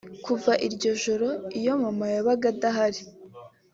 Kuva iryo ijoro iyo mama yabaga adahari